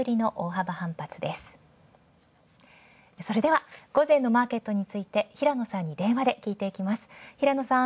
それでは午前のマーケットについて平野さんに電話で聞いていきます。